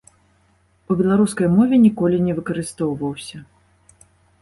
У беларускай мове ніколі не выкарыстоўваўся.